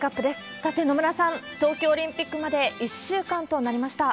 さて、野村さん、東京オリンピックまで１週間となりました。